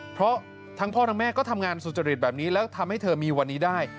เพราะทั้งพ่อทั้งแม่ก็ทำงานสุจริตแบบนี้แล้วทำให้เธอมีวันนี้ได้